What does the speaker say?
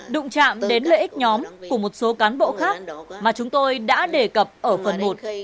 đụng chạm đến lợi ích nhóm của một số cán bộ khác mà chúng tôi đã đề cập ở phần một